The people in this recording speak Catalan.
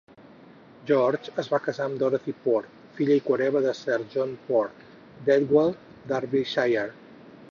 George es va casar amb Dorothy Port, filla i cohereva de Sir John Port d'Etwall, Derbyshire.